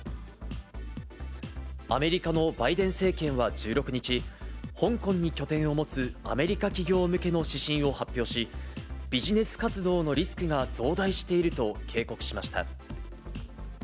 アメリカのバイデン政権は１６日、香港に拠点を持つアメリカ企業向けの指針を発表し、ビジネス活動のリスクが増大していると警告しました。